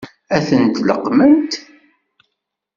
Ad tent-leqqment?